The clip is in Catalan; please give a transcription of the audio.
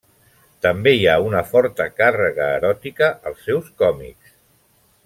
També hi ha una forta càrrega eròtica als seus còmics.